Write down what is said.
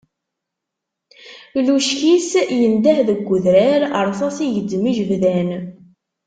Lučkis yendeh deg udrar, Rsas igezzem ijebjan.